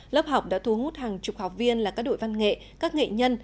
lớp học đã thu hút hàng chục học viên là các đội văn nghệ các nghệ nhân